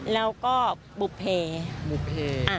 แล้วก็บุภี